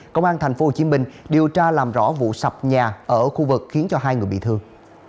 công an tp hcm điều tra làm rõ vụ sập nhà ở khu vực khiến cho hai người bị thương